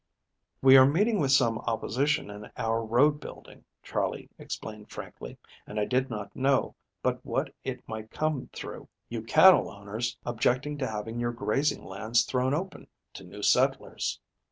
"We are meeting with some opposition in our road building," Charley explained frankly, "and I did not know but what it might come through you cattle owners objecting to having your grazing lands thrown open to new settlers."